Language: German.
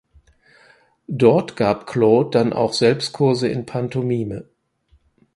Dort gab Claude dann auch selbst Kurse in Pantomime.